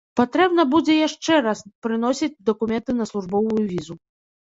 Патрэбна будзе яшчэ раз прыносіць дакументы на службовую візу.